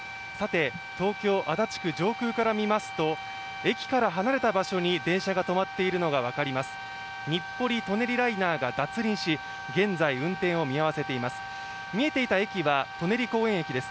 東京・足立区上空から見ますと駅から離れた場所に電車が止まっているのが分かります。